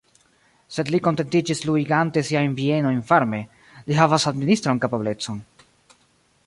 Sed li kontentiĝis luigante siajn bienojn farme: li havas administran kapablecon.